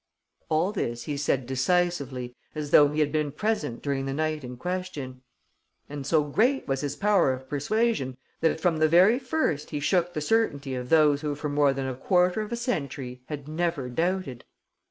All this he said decisively, as though he had been present during the night in question; and so great was his power of persuasion that from the very first he shook the certainty of those who for more than a quarter of a century had never doubted.